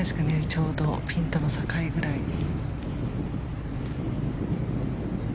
ちょうどピンとの境くらいに。